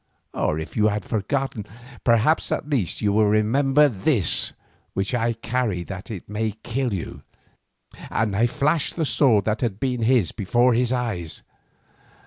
Or if you have forgotten, perhaps at least you will remember this, which I carry that it may kill you," and I flashed the sword that had been his before his eyes.